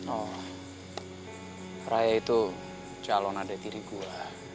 oh raya itu calon adik diri gue